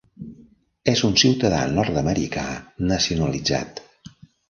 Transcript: És un ciutadà nord-americà nacionalitzat.